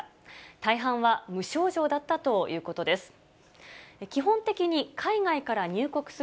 大半は無症状だったということです。